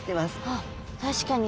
あっ確かに。